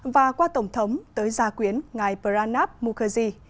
và qua tổng thống tới gia quyến ngài pranab mukherjee